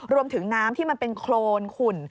รวมถึงน้ำที่มันเป็นโครนขุ่น